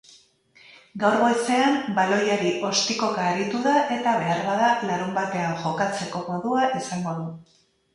Gaur goizean baloiari ostikoka aritu da eta beharbada larunbatean jokatzeko modua izango du.